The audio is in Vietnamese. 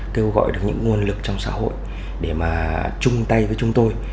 kêu gọi được những nguồn lực trong xã hội để mà chung tay với chúng tôi